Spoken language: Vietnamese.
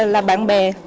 là bạn bè